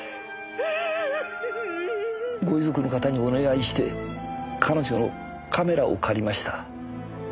ご遺族の方にお願いして彼女のカメラを借りました。